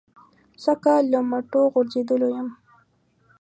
سږ کال له مټو غورځېدلی یم.